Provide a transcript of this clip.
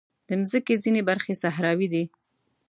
د مځکې ځینې برخې صحراوې دي.